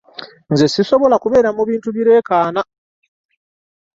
Nze sisobola kubeera mu bintu bileekaana.